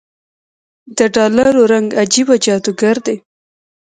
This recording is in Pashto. دډالرو رنګ عجيبه جادوګر دی